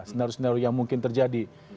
senarai senarai yang mungkin terjadi